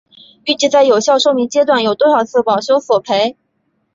预计在有效寿命阶段有多少次保修索赔？